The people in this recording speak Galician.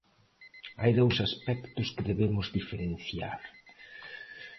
Hai dous aspectos que debemos diferenciar.